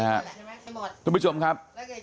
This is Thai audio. และต้องไปดมครับ